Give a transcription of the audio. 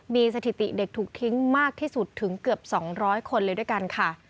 มีสถิติเด็กถูกทิ้งมากที่สุดถึงเกือบ๒๐๐คนเลยด้วยกันค่ะ